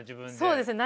そうですね。